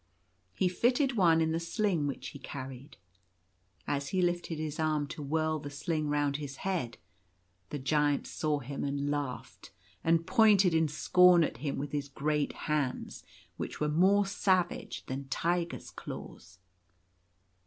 He fitted one in the sling which he carried. As he lifted his arm to whirl the sling round his head, the Giant saw him, and laughed, and pointed in scorn at him with his great hands, which were more savage than tiger's claws.